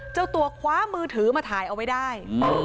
เจ้าตัวคว้ามือถือมาถ่ายเอาไว้ได้